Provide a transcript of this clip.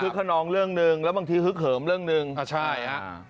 สืบหึ้กข้าน้องเรื่องหนึ่งแล้วบางทีสืบเหิมเรื่องหนึ่งใช่ฮะ